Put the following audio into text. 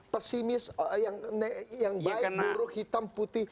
pesimis yang baik buruk hitam putih